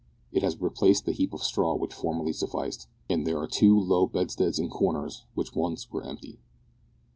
It has replaced the heap of straw which formerly sufficed, and there are two low bedsteads in corners which once were empty.